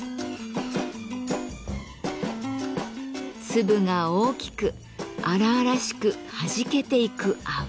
粒が大きく荒々しく弾けていく泡。